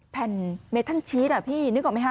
แผ่นเมทันชีสอ่ะพี่นึกออกไหมฮ